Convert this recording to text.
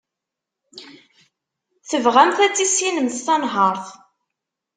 Tebɣamt ad tissinemt tanhaṛt.